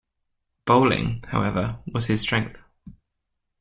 Bowling, however, was his strength.